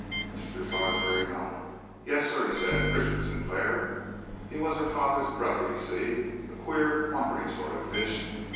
Mr. Sarsby nodded. "Yes, sir!" he said, "Richard Sinclair. He was her father's brother, you see, a queer, wandering sort of fish.